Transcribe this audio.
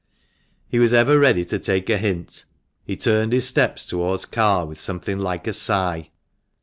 He was ever ready to take a hint. He turned his steps towards Carr with something like a sigh.